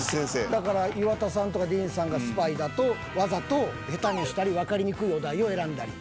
だから岩田さんとかディーンさんがスパイだとわざと下手にしたりわかりにくいお題を選んだり。